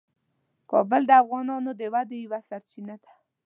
کابل د افغانانو د ودې یوه سرچینه ده.